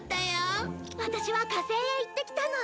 ワタシは火星へ行ってきたの。